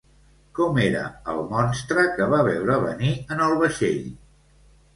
Com era el monstre que va veure venir en el vaixell?